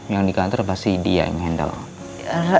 yang di kantor pasti dia yang handle